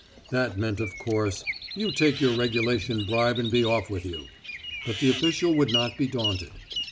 That meant, of course You take your regulation bribe and be off with you. But the official would not be daunted.